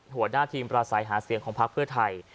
หัวหน้าทีมประสัยหาเสียงของพักเพื่อไทย